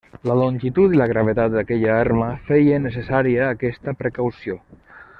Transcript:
La longitud i la gravetat d'aquella arma feien necessària aquesta precaució.